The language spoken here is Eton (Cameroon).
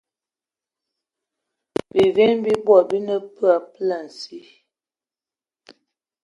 Bivini bi bot bi ne peg a poulassi